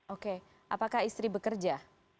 oke apakah istri bekerja